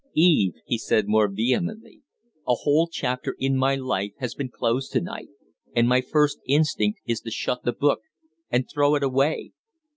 "Eve," he said, more vehemently, "a whole chapter in my life has been closed to night, and my first instinct is to shut the book and throw it away.